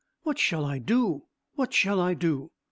"What shall I do what shall I do?"